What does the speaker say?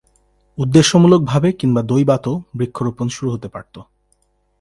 উদ্দেশ্যমূলকভাবে কিংবা দৈবাৎও বৃক্ষরোপণ শুরু হতে পারত।